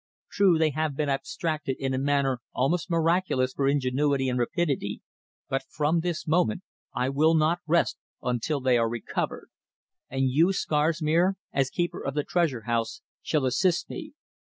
True, they have been abstracted in a manner almost miraculous for ingenuity and rapidity, but from this moment I will not rest until they are recovered. And you, Scarsmere, as Keeper of the Treasure house, shall assist me."